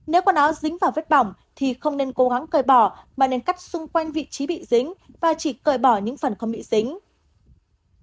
nếu quần áo dính vào vết bỏng thì không nên cố gắng cơ bỏ mà nên cắt xung quanh vị trí bị dính và chỉ cởi bỏ những phần không bị dính